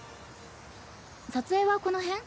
撮影はこの辺？